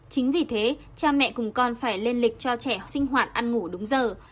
chính vì thế cha mẹ cùng con phải lên lịch cho trẻ học sinh hoạt ăn ngủ đúng giờ